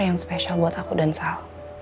yang spesial buat aku dan sal